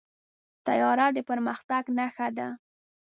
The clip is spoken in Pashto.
طیاره د پرمختګ نښه ده.